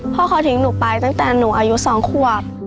พ่อเขาทิ้งหนูไปตั้งแต่หนูอายุ๒ขวบ